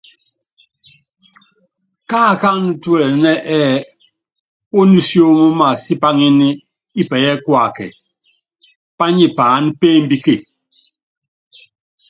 Kaákáánɛ́ tuɛlɛnɛ́ ɛ́ɛ́ pónisiómo maasipaŋínɛ Ipɛyɛ Kuákɛ, pányɛ paáná peEmbíke.